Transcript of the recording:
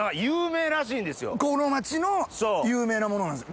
この町の有名なものなんですね？